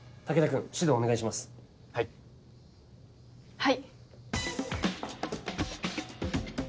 はい。